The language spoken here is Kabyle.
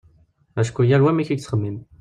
Acku yal wa amek yettxemmim.